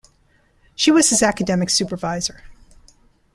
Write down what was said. She was his academic supervisor.